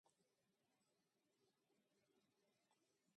Arrear de batalla.